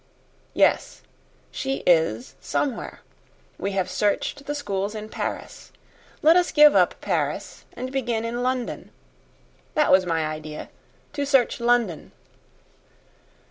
"Yes; she is SOMEWHERE. We have searched the schools in Paris. Let us give up Paris and begin in London. That was my idea to search London."